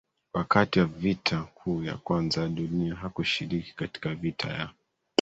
Wakati wa Vita Kuu ya Kwanza ya Duniaa hakushiriki katika vita ya